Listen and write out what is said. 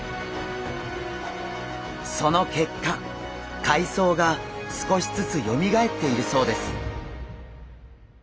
その結果海藻が少しずつよみがえっているそうです。